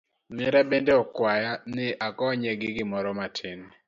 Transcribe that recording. Nera bende okwaya ni akonye gi gimoro matin.